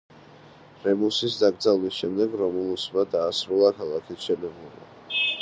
რემუსის დაკრძალვის შემდეგ რომულუსმა დაასრულა ქალაქის მშენებლობა.